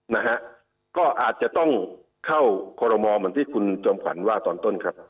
นะฮะก็อาจจะต้องเข้าคอรมอเหมือนที่คุณจอมขวัญว่าตอนต้นครับ